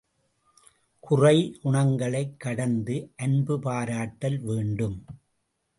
குறை, குணங்களைக் கடந்து அன்பு பாராட்டல் வேண்டும்.